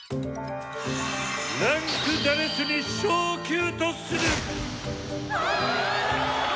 「位階『４』に昇級とする！」。